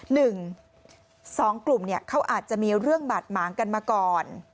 หนึ่งสองกลุ่มเนี่ยเขาอาจจะมีเรื่องบาดหมางกันมาก่อน